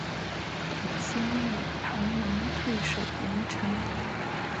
董宪与庞萌退守郯城。